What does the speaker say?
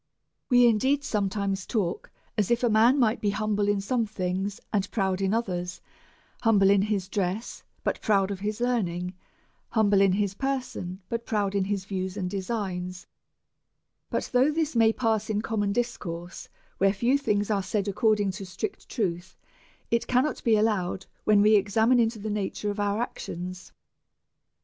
We indeed sometimes talk as if a man might be humble in some things, and proud in others, humble in his dress, but proud of his learning, humble in his person, but proud in his views and designs. But though this may pass in common discourse, where few things are said according to strict truth, it cannot be allowed when we examine into the nature of our ac tions. 44 A SERIOUS CALL TO A .